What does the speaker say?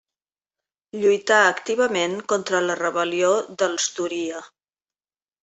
Lluità activament contra la rebel·lió dels d'Oria.